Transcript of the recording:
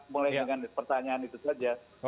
mulai dengan pertanyaan itu saja